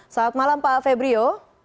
selamat malam pak febrio